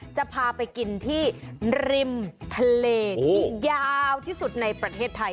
จะพาไปกินที่ริมทะเลที่ยาวที่สุดในประเทศไทย